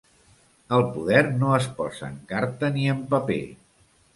El poder no es posa en carta ni en paper.